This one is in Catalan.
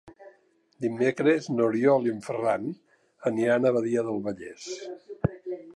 Dimecres n'Oriol i en Ferran aniran a Badia del Vallès.